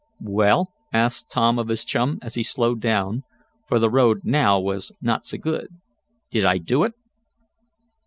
"Well," asked Tom of his chum, as he slowed down, for the road now was not so good, "did I do it?"